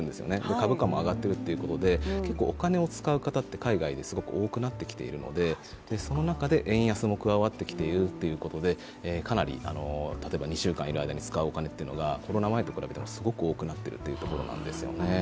株価も上がっているということで結構お金を使う方って海外ですごく多くなっているので、その中で円安も加わってきているということでかなり、例えば、２週間、今までに使うお金というのがコロナ前と比べてもすごく多くなっているということなんですよね